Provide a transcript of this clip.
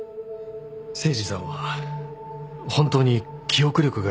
誠司さんは本当に記憶力がいい人でした。